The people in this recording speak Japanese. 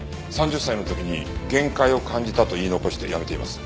３０歳の時に限界を感じたと言い残して辞めています。